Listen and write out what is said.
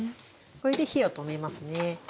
これで火を止めますね。